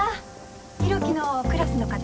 広樹のクラスの方？